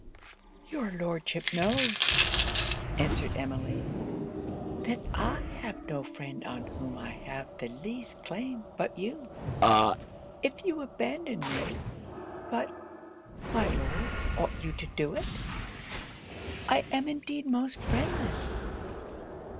'Your Lordship knows,' answered Emmeline, 'that I have no friend on whom I have the least claim but you. If you abandon me but, my Lord, ought you to do it? I am indeed most friendless!'